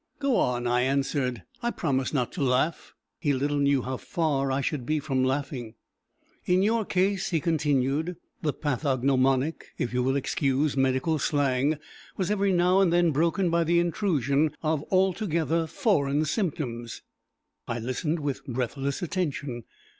"Go on," I answered; "I promise not to laugh." He little knew how far I should be from laughing. "In your case," he continued, "the pathognomonic, if you will excuse medical slang, was every now and then broken by the intrusion of altogether foreign symptoms." I listened with breathless attention.